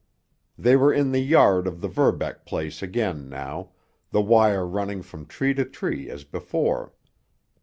They were in the yard of the Verbeck place again now, the wire running from tree to tree as before.